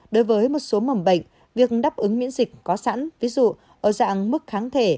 đối với một số mầm bệnh việc đáp ứng miễn dịch có sẵn ví dụ ở dạng mức kháng thể